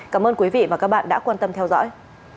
cảm ơn quý vị và các bạn đã quan tâm theo dõi